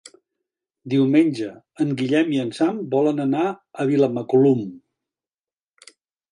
Diumenge en Guillem i en Sam volen anar a Vilamacolum.